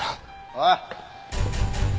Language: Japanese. おい。